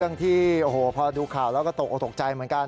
ซึ่งที่พอดูข่าวแล้วก็ตกตกใจเหมือนกัน